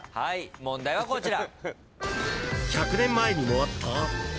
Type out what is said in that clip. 問題はこちら。